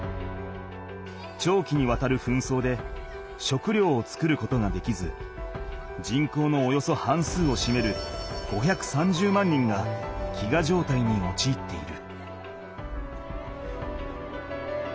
長期にわたる紛争で食料を作ることができず人口のおよそ半数をしめる５３０万人が飢餓状態におちいっている。